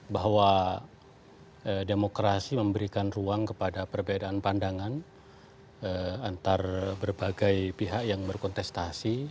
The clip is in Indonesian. bahwa demokrasi memberikan ruang kepada perbedaan pandangan antara berbagai pihak yang berkontestasi